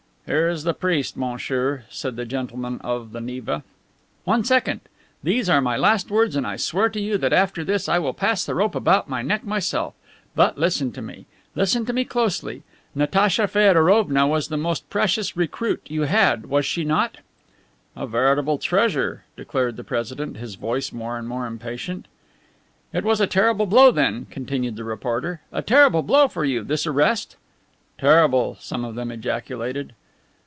"Here is the priest, monsieur," said the gentleman of the Neva. "One second! These are my last words, and I swear to you that after this I will pass the rope about my neck myself! But listen to me! Listen to me closely! Natacha Feodorovna was the most precious recruit you had, was she not?" "A veritable treasure," declared the president, his voice more and more impatient. "It was a terrible blow, then," continued the reporter, "a terrible blow for you, this arrest?" "Terrible," some of them ejaculated.